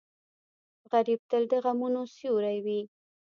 غریب تل د غمونو سیوری وي